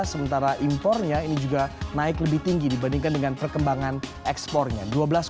sementara impornya ini juga naik lebih tinggi dibandingkan dengan perkembangan ekspornya